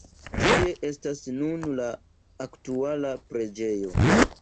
Tie estas nun la aktuala preĝejo.